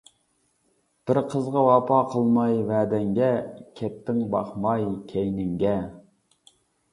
بىر قىزغا ۋاپا قىلماي ۋەدەڭگە، كەتتىڭ باقماي كەينىڭگە.